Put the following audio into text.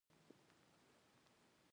سپین ږیری د خپلو خبرو له لارې امن جوړوي